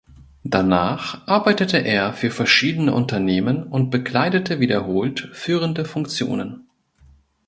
Danach arbeitete er für verschiedene Unternehmen und bekleidete wiederholt führende Funktionen.